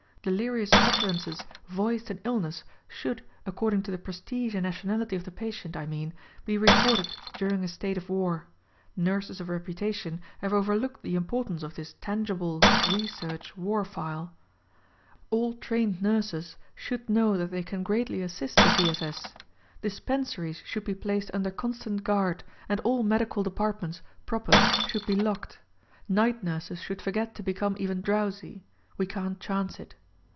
Delirious utterances voiced in illness should — according to the prestige and nationality of the patient, I mean — be recorded during a state of war ! Nurses of reputation have overlooked the importance of this tangible, re search war file. All trained nurses should know that they can greatly assist the V. S. S. Dispensaries should be placed under constant guard, and all medical depart SPY PROOF AMERICA 25 ments proper should be locked. Night nurses should forget to become even drowsy ; we can't chance it.